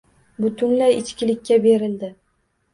Butunlay ichkilikka berildi